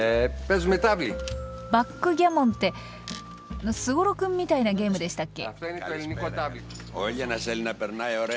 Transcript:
バックギャモンってすごろくみたいなゲームでしたっけ？